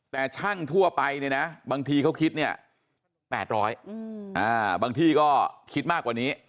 แต่ช่างทั่วไปเนี่ยนะบางทีเขาคิดเนี่ย๘๐๐บางที่ก็คิดมากกว่านี้